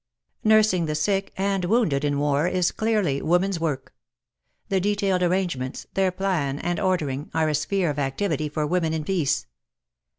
Nursing the sick and wounded in war is clearly women's work. The detailed arrange ments, their plan and ordering, are a sphere of activity for women in peace.